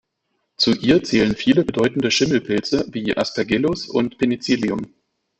Zu ihr zählen viele bedeutende Schimmelpilze wie "Aspergillus" und "Penicillium".